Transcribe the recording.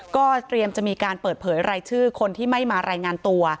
ก็เตรียมจะมีการเปิดเผยรายชื่อคนที่ไม่มารายงานตัว